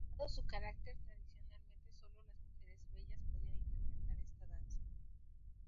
Dado su carácter, tradicionalmente solo las mujeres bellas podían interpretar esta danza.